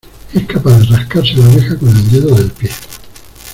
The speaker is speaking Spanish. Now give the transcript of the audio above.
Es capaz de rascarse la oreja con el dedo del pie.